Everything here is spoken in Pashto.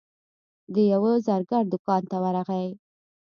د یوه زرګر دوکان ته ورغی.